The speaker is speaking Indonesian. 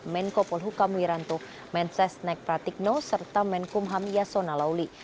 menko polhukam wiranto mensesnek pratikno serta menkumham yasona lauli